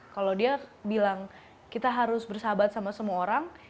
kalau dia bilang kita harus bersahabat sama semua orang